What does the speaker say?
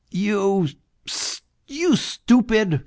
. you stupid